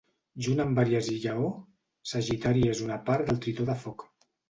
Junt amb Àries i Lleó, Sagitari és una part del Tritó de Foc.